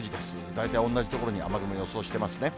大体同じ所に雨雲を予想してますね。